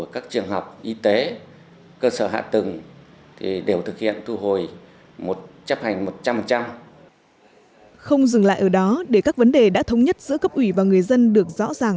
không dừng lại ở đó để các vấn đề đã thống nhất giữa cấp ủy và người dân được rõ ràng